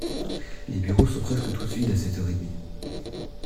Les bureaux sont presque tous vides à sept heures et demi.